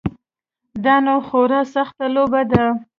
دا نو خورا سخته لوبه ده.